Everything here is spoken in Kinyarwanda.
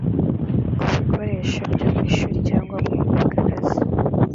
kubikoresho byo mwishuri cyangwa ubwoko bwakazi